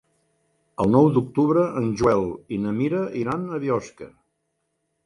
El nou d'octubre en Joel i na Mira iran a Biosca.